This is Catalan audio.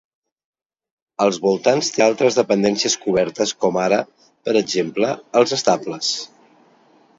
Als voltants té altres dependències cobertes com ara, per exemple, els estables.